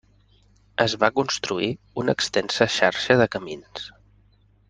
Es va construir una extensa xarxa de camins.